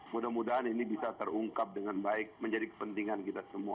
mudah mudahan ini bisa terungkap dengan baik menjadi kepentingan kita semua